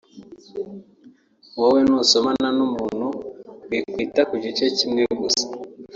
wowe n’usomana n’umuntu wikwita ku gice kimwe gusa